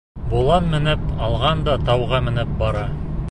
Болан менеп алған да тауға менеп бара.